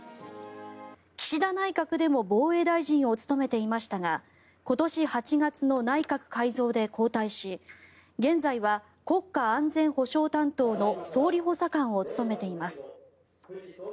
岸田内閣でも防衛大臣を務めていましたが今年８月の内閣改造で交代し現在は国家安全保障担当の総理補佐官を務めています。